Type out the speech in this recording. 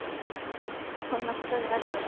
こんなことになる